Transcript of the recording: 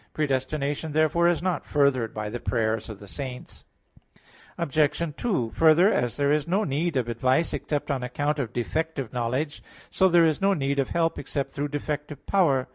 Predestination therefore is not furthered by the prayers of the saints. Obj. 2: Further, as there is no need of advice except on account of defective knowledge, so there is no need of help except through defective power.